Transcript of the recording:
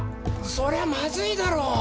そりゃまずいだろう！